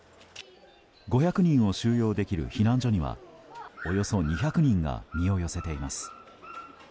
５００人を収容できる避難所にはおよそ２００人が身を寄せています。